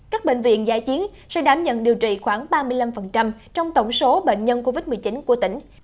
các bệnh viện giai chiến sẽ đảm nhận điều trị khoảng ba mươi năm trong tổng số bệnh nhân covid một mươi chín của tỉnh